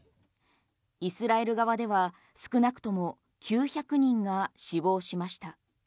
イスラエル側では少なくとも９００人が死亡しました。